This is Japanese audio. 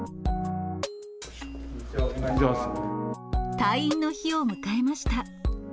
退院の日を迎えました。